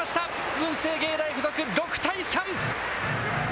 文星芸大付属、６対３。